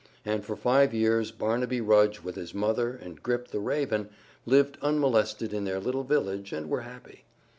And for five years Barnaby Rudge with his mother and Grip, the raven, lived unmolested in their little village and were happy.